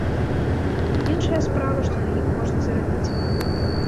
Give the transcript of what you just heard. Іншая справа, што на ім можна зарабіць.